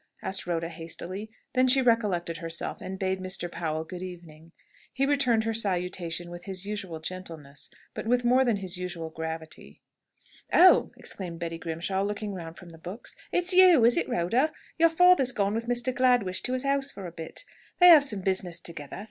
asked Rhoda, hastily. Then she recollected herself, and bade Mr. Powell "Good evening." He returned her salutation with his usual gentleness, but with more than his usual gravity. "Oh!" exclaimed Betty Grimshaw, looking round from the books. "It's you, is it, Rhoda? Your father is gone with Mr. Gladwish to his house for a bit. They have some business together.